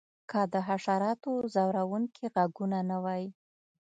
که د حشراتو ځورونکي غږونه نه وی